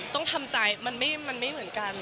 ต้องทำใจมันไม่เหมือนกัน